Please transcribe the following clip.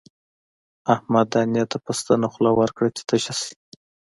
احمد دانې ته په ستنه خوله ورکړه چې تشه شي.